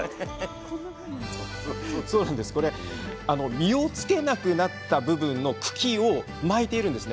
実をつけなくなった部分の茎を巻いているんです。